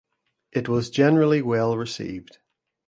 It was generally well received.